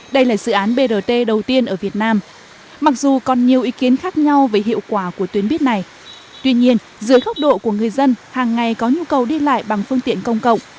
đây là dự án brt đầu tiên ở việt nam mặc dù còn nhiều ý kiến khác nhau về hiệu quả của tuyến buýt này tuy nhiên dưới góc độ của người dân hàng ngày có nhu cầu đi lại bằng phương tiện công cộng